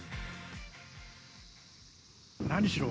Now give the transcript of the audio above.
何しろ